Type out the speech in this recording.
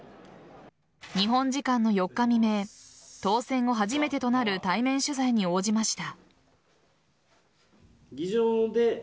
日本時間の４日未明当選後初めてとなる対面取材に応じました。